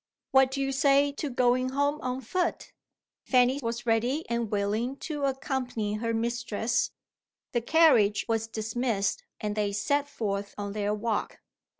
What do you say to going home on foot?" Fanny was ready and willing to accompany her mistress. The carriage was dismissed, and they set forth on their walk.